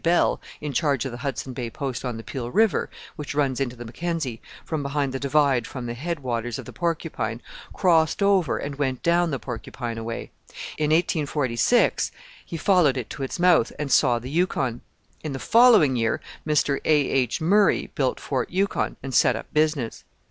Bell, in charge of the Hudson Bay Post on the Peel River, which runs into the MacKenzie, from beyond the divide from the head waters of the Porcupine, crossed over and went down the Porcupine a way. In 1846 he followed it to its mouth, and saw the Yukon. In the following year Mr. A. H. Murray built Fort Yukon, and set up business.